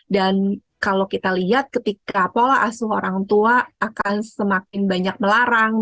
dan kalau kita lihat ketika pola asuh orang tua akan semakin banyak diperparahkan